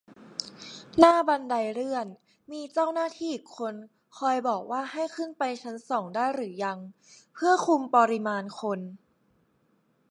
หน้าบันไดเลื่อนมีเจ้าหน้าที่อีกคนคอยบอกว่าให้ขึ้นไปชั้นสองได้หรือยัง เพื่อคุมปริมาณคน